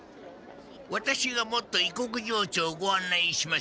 ワタシがもっと異国情緒をご案内しましょう。